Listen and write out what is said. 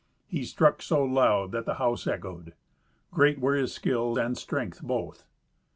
He struck so loud that the house echoed. Great were his skill and strength both.